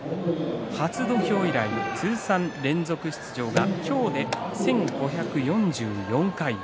初土俵以来、通算連続出場は今日で１５４４回。